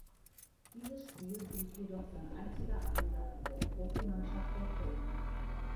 Dieses Spiel blieb jedoch sein einziger Einsatz in der Profimannschaft der Kölner.